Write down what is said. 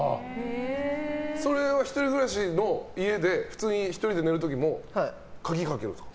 それは１人暮らしの家で普通に１人で寝る時も鍵かけるんですか？